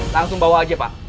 langsung bawa aja pak